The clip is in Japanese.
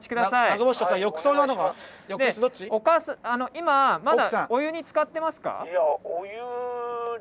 今まだお湯につかってますか？